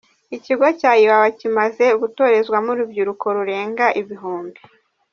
Ikigo cya Iwawa kimaze gutorezwamo urubyiruko rurenga ibihumbi.